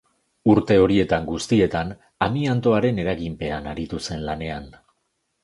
Urte horietan guztietan amiantoaren eraginpean aritu zen lanean.